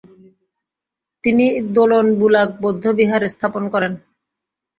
তিনি দোলন বুলাক বৌদ্ধবিহার স্থপন করেন।